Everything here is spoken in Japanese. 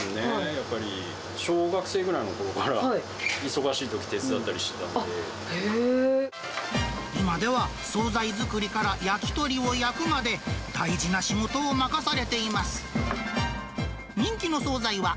やっぱり小学生ぐらいのころから、忙しいとき、今では、総菜作りから焼き鳥を焼くまで、大事な仕事を任されています。